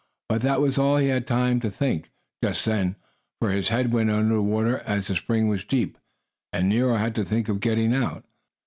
But that was all he had time to think, just then, for his head went away under the water as the spring was deep and Nero had to think of getting out.